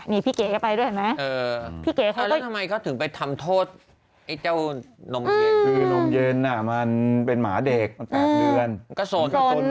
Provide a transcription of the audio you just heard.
นี่พี่เก๊ก็ไปด้วยเห็นไหม